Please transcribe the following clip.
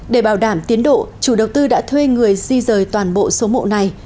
để bảo đảm tiến độ chủ đầu tư đã thuê người di rời toàn bộ số mộ này